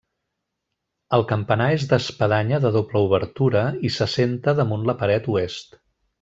El campanar és d'espadanya de doble obertura i s'assenta damunt la paret oest.